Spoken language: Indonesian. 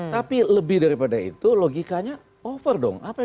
tapi lebih daripada itu logikanya over dong